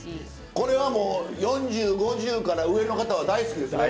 これはもう４０５０から上の方は大好きですね。